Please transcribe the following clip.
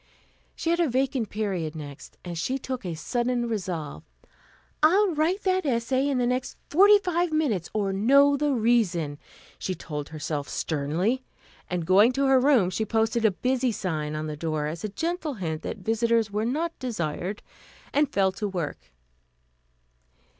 She had a vacant period next, and she took a sudden resolve. "I'll write that essay in the next forty five minutes, or know the reason," she told herself sternly, and going to her room she posted a "busy" sign on the door as a gentle hint that visitors were not desired, and fell to work.